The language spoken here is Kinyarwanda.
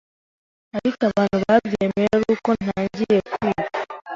ariko abantu babyemeye ari uko ntangiye kwiga.